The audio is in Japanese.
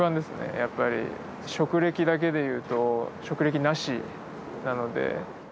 やっぱり、職歴だけで言うと、職歴なしなので。